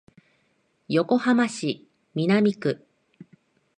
横浜市南区